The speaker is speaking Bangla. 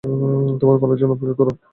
তোমার পালার জন্য অপেক্ষা কর!